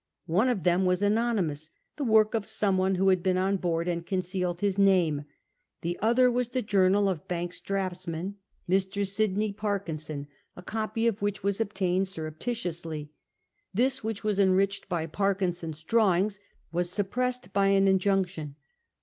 One of them was anonymous, the work of some one who had been on board and concealed his name, the otiier was the journal of Banks's draughtsman, Mr. VT THE JOURNAL OF THE VOYAGE 77 Sydney Parkinson, a copy of which was obtained surreptitiously. This, which was enriched by Parkin son's drawings, was suppressed by an injunction.